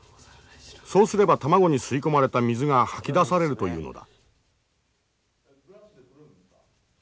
そうすれば卵に吸い込まれた水がはき出されるというのだ。